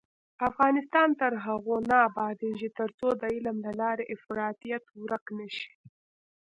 افغانستان تر هغو نه ابادیږي، ترڅو د علم له لارې افراطیت ورک نشي.